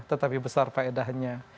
tetapi besar faedahnya